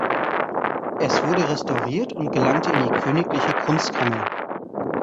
Es wurde restauriert und gelangte in die königliche Kunstkammer.